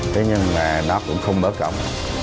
thế nhưng mà nó cũng không mở cổng